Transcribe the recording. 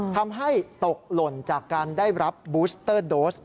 ทำให้ตกหล่นจากการได้รับบูสเตอร์โดส